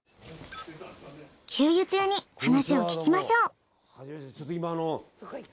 給油中に話を聞きましょう。